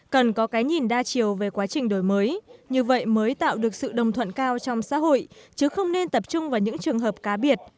cần có cái nhìn đa chiều về quá trình đổi mới như vậy mới tạo được sự đồng thuận cao trong xã hội chứ không nên tập trung vào những trường hợp cá biệt